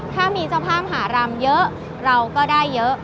ถ้ามีเจ้าภาพหารำเยอะเราก็ได้เยอะ